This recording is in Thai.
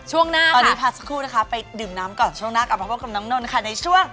ช่วงหน้าตอนนี้พักสักครู่นะคะไปดื่มน้ำก่อนช่วงหน้ากลับมาพบกับน้องนนท์ค่ะในช่วง